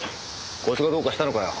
こいつがどうかしたのかよ？